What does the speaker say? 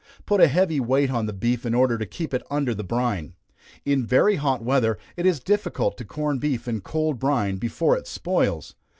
Put a heavy weight on the beef in order to keep it under the brine. In very hot weather, it is difficult to corn beef in cold brine before it spoils.